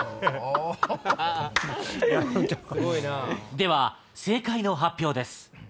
では正解の発表です。